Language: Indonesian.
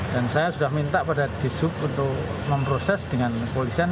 dan saya sudah minta pada disub untuk memproses dengan polisian